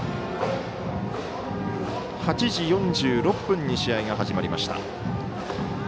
８時４６分に試合が始まりました。